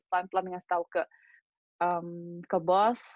pelan pelan ngasih tahu ke bos